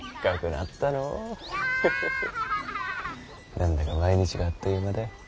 何だか毎日があっという間だい。